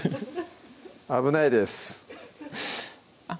危ないですあっ